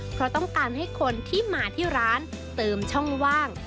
เพราะต้องการให้คนที่มาที่ร้านเติมช่องว่าง